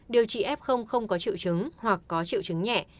điều trị f không có triệu chứng hoặc có triệu chứng nhẹ